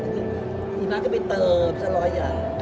ที่นาจะไปเติมจร้อย